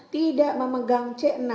tidak memegang c enam